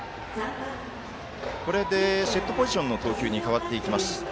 これでセットポジションの投球に変わっていきます。